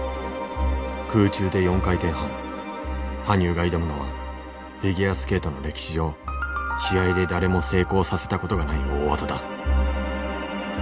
羽生が挑むのはフィギュアスケートの歴史上試合で誰も成功させたことがない大技だ。